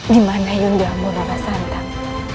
dimana yundamu rara santang